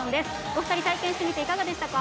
お二人、体験してみていかがでしたか。